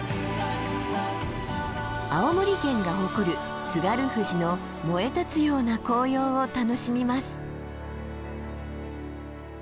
青森県が誇る津軽富士の燃え立つような紅葉を楽しみます。